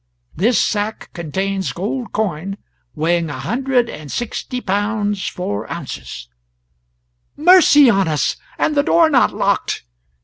This sack contains gold coin weighing a hundred and sixty pounds four ounces " "Mercy on us, and the door not locked!"